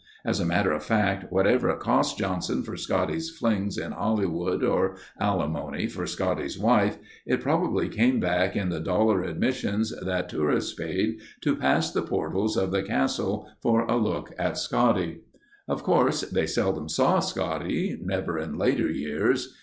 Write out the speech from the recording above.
As a matter of fact, whatever it cost Johnson for Scotty's flings in Hollywood, or alimony for Scotty's wife, it probably came back in the dollar admissions that tourists paid to pass the portals of the Castle for a look at Scotty. Of course they seldom saw Scotty—never in later years.